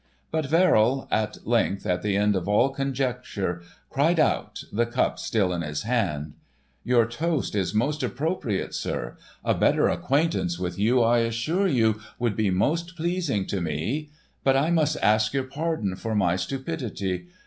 But Verrill, at length at the end of all conjecture, cried out, the cup still in his hand: "Your toast is most appropriate, sir. A better acquaintance with you, I assure you, would be most pleasing to me. But I must ask your pardon for my stupidity.